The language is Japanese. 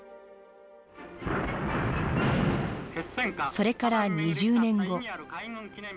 それから２０年後。